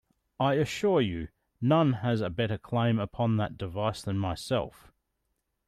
I assure you, none has a better claim upon that device than myself.